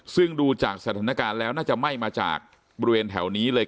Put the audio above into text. ซึ่งดูจากสถานการณ์แล้วน่าจะไหม้มาจากบริเวณแถวนี้เลย